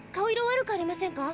悪くありませんか？